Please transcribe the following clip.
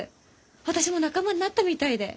私も仲間になったみたいで！